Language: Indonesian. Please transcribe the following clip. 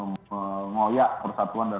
menggoyak persatuan dan